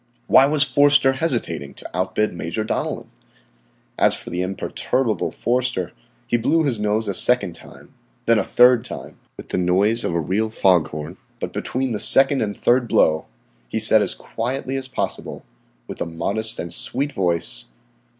Why was Forster hesitating to outbid Major Donellan? As for the imperturbable Forster, he blew his nose a second time, then a third time, with the noise of a real foghorn. But between the second and third blow he said as quietly as possible, with a modest and sweet voice.